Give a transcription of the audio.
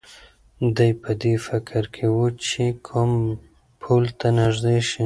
دی په دې فکر کې و چې کوم پل ته نږدې شي.